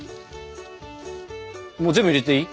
もう全部入れていい？